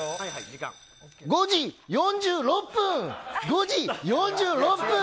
５時４６分、５時４６分。